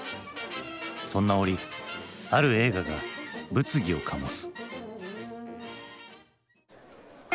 そんな折ある映画が物議を醸す。